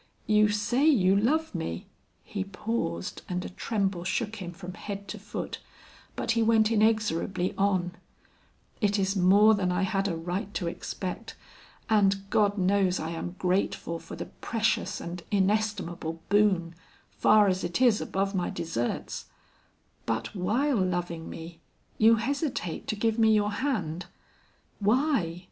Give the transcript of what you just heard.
You say you love me " he paused, and a tremble shook him from head to foot, but he went inexorably on "it is more than I had a right to expect, and God knows I am grateful for the precious and inestimable boon, far as it is above my deserts; but while loving me, you hesitate to give me your hand. Why?